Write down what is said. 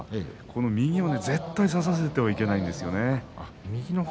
右を絶対に差させてはいけないんですね。